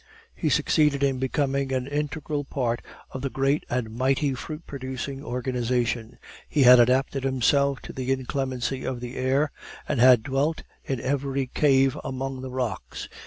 He succeeded in becoming an integral part of the great and mighty fruit producing organization; he had adapted himself to the inclemency of the air, and had dwelt in every cave among the rocks.